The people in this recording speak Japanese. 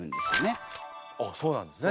あっそうなんですか。